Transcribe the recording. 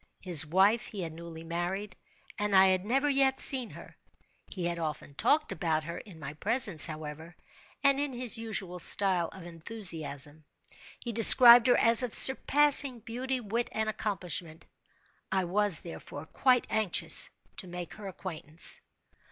His wife he had newly married, and I had never yet seen her. He had often talked about her in my presence, however, and in his usual style of enthusiasm. He described her as of surpassing beauty, wit, and accomplishment. I was, therefore, quite anxious to make her acquaintance.